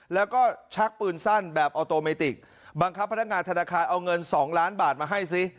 แล้วก็ชักปืนสั้นแบบออโตเมติกบังคับพนักงานธนาคารเอาเงิน๒ล้านบาทมาให้ซิ